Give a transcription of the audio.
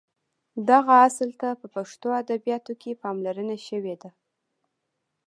دغه اصل ته په پښتو ادبیاتو کې پاملرنه شوې ده.